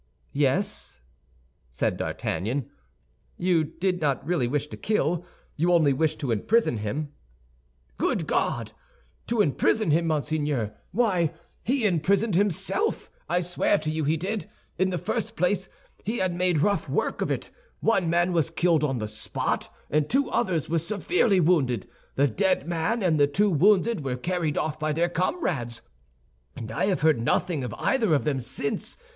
"Yes," said D'Artagnan, "you did not really wish to kill; you only wished to imprison him." "Good God! To imprison him, monseigneur? Why, he imprisoned himself, I swear to you he did. In the first place he had made rough work of it; one man was killed on the spot, and two others were severely wounded. The dead man and the two wounded were carried off by their comrades, and I have heard nothing of either of them since.